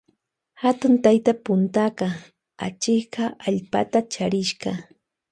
Hatu tayta puntaka achika allpata charishka.